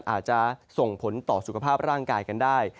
อาจจะส่งผลต่อสุขภาพร่างกายกันได้